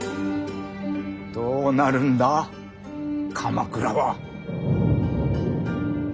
どうなるんだ鎌倉は。